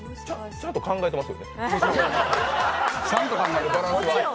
ちゃんと考えてます。